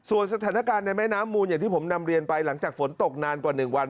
ส่วนสถานการณ์ในแม่น้ำมูลอย่างที่ผมนำเรียนไปหลังจากฝนตกนานกว่า๑วัน